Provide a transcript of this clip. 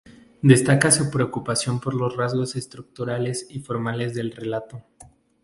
Destaca su preocupación por los rasgos estructurales y formales del relato.